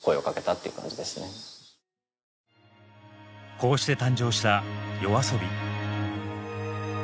こうして誕生したＹＯＡＳＯＢＩ。